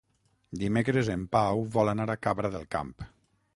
Dimecres en Pau vol anar a Cabra del Camp.